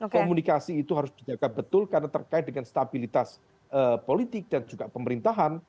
komunikasi itu harus dijaga betul karena terkait dengan stabilitas politik dan juga pemerintahan